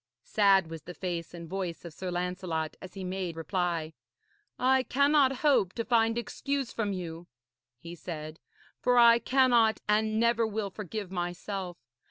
Sad was the face and voice of Sir Lancelot as he made reply. 'I cannot hope to find excuse from you,' he said, 'for I cannot and never will forgive myself.